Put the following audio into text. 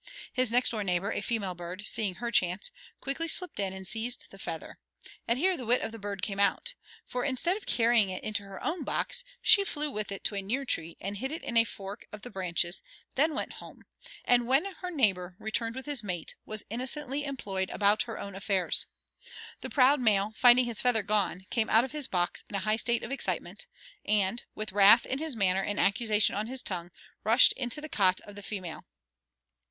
His next door neighbor, a female bird, seeing her chance, quickly slipped in and seized the feather, and here the wit of the bird came out, for instead of carrying it into her own box she flew with it to a near tree and hid it in a fork of the branches, then went home, and when her neighbor returned with his mate was innocently employed about her own affairs. The proud male, finding his feather gone, came out of his box in a high state of excitement, and, with wrath in his manner and accusation on his tongue, rushed into the cot of the female.